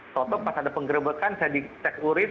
toto pas ada penggerbekan saya di check urin